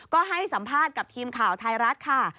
ก็ให้สัมภาษณ์กับทีมข่าวไทยรัฐค่ะ